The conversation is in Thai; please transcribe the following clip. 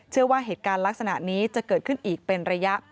ว่าเหตุการณ์ลักษณะนี้จะเกิดขึ้นอีกเป็นระยะ